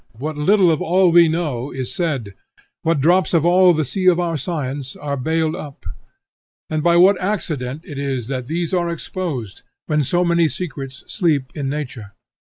What a little of all we know is said! What drops of all the sea of our science are baled up! and by what accident it is that these are exposed, when so many secrets sleep in nature!